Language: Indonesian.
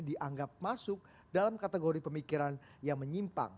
dianggap masuk dalam kategori pemikiran yang menyimpang